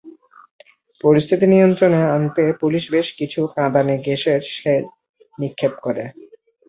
পরিস্থিতি নিয়ন্ত্রণে আনতে পুলিশ বেশ কিছু কাঁদানে গ্যাসের শেল নিক্ষেপ করে।